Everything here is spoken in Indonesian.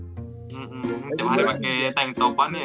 cuma ada yang pake tank topan ya